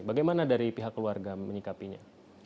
bagaimana dari pihak keluarga menyikapinya